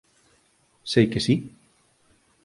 Sei que si.